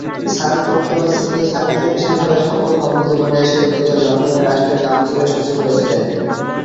Sir Gupta civil সার্ভিসে বিশেষভাবে সফল কর্মজীবনের শেষদিকে লন্ডনে রাষ্ট্রের কাউন্সিলের সচিব হয়েছিলেন।